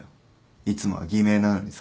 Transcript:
いつもは偽名なのにさ。